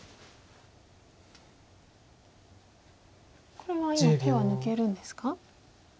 これは今手は抜けるんですか？